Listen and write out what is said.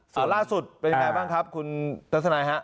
ส่วนล่าสุดเป็นยังไงบ้างครับคุณทัศนัยฮะ